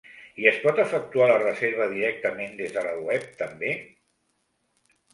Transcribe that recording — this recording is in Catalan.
I es pot efectuar la reserva directament des de la web també?